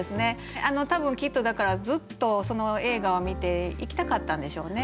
多分きっとずっとその映画を見て行きたかったんでしょうね。